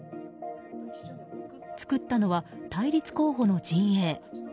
作ったのは、対立候補の陣営。